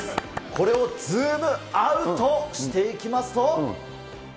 これをズームアウトしていきますと。